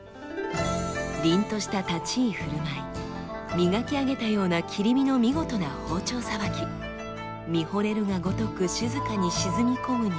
りんとした立ち居振る舞い磨き上げたような切り身の見事な包丁捌き見ほれるがごとく静かに沈み込む握り。